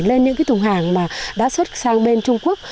lên những cái thùng hàng mà đã xuất sang bên trung quốc